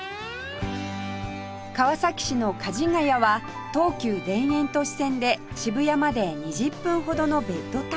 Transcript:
川崎市の梶が谷は東急田園都市線で渋谷まで２０分ほどのベッドタウン